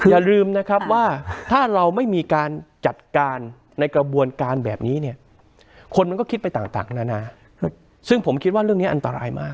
อย่าลืมนะครับว่าถ้าเราไม่มีการจัดการในกระบวนการแบบนี้เนี่ยคนมันก็คิดไปต่างนานาซึ่งผมคิดว่าเรื่องนี้อันตรายมาก